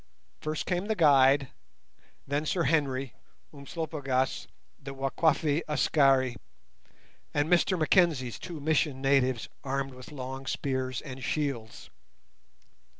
First came the guide, then Sir Henry, Umslopogaas, the Wakwafi Askari, and Mr Mackenzie's two mission natives armed with long spears and shields.